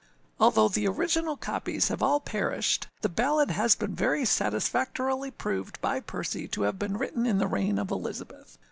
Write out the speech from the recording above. Although the original copies have all perished, the ballad has been very satisfactorily proved by Percy to have been written in the reign of Elizabeth.